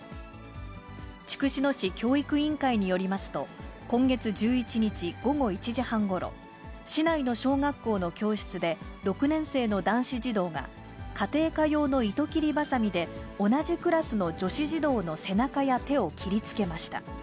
筑紫野市教育委員会によりますと、今月１１日午後１時半ごろ、市内の小学校の教室で、６年生の男子児童が、家庭科用の糸切りばさみで、同じクラスの女子児童の背中や手を切りつけました。